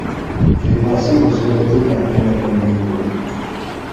J’ai pensé que ce n’était qu’un phénomène méconnu.